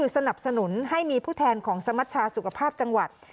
สนับสนุนให้มีผู้แทนของสมัชชาสุขภาพจังหวัด